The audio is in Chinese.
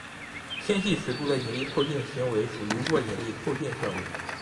星系尺度的引力透镜行为属于弱引力透镜效应。